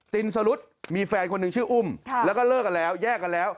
ตินสรุธมีแฟนคนหนึ่งชื่ออุ้มแล้วก็เลิกกันแล้วแยกกันแล้ว